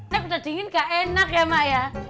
sampe udah dingin gak enak ya mbak